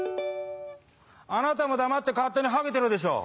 「あなたも黙って勝手にハゲてるでしょ」。